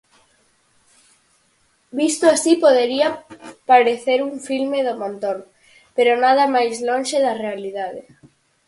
Visto así podería parecer un filme do montón, pero nada máis lonxe da realidade.